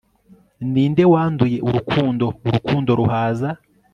ninde wanduye urukundo, urukundo ruhaza